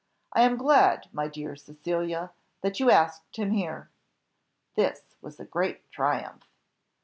I am glad, my dear Cecilia, that you asked him here." This was a great triumph.